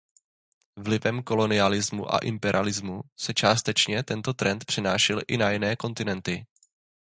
Vlivem kolonialismu a imperialismu se částečně tento trend přenášel i na jiné kontinenty.